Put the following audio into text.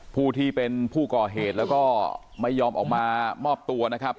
ผู้ที่เป็นผู้ก่อเหตุแล้วก็ไม่ยอมออกมามอบตัวนะครับ